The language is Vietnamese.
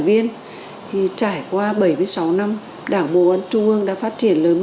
liên quan đến vấn đề an toàn giao thông